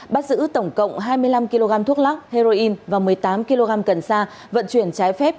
bắt giữ tổng cộng hai mươi năm kg thuốc lắc heroin và một mươi tám kg cần sa vận chuyển trái phép